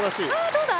どうだ？